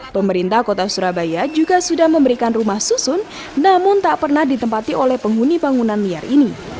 pemerintah kota surabaya juga sudah memberikan rumah susun namun tak pernah ditempati oleh penghuni bangunan liar ini